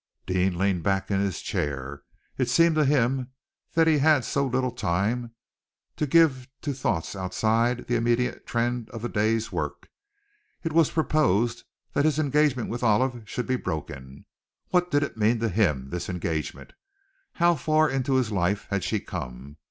Deane leaned back in his chair. It seemed to him that he had so little time to give to thoughts outside the immediate trend of the day's work. It was proposed that his engagement with Olive should be broken. What did it mean to him, this engagement? How far into his life had she come?